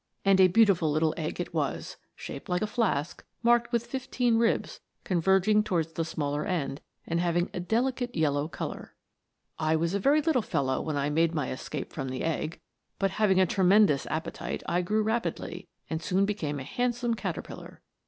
And a beautiful little egg it was, shaped like a flask, marked with fifteen ribs, converging to wards the smaller end, and having a delicate yellow colour. " I was a very little fellow when I made my escape from the egg, but having a tremendous appe tite I grew rapidly, and soon became a handsome caterpillar.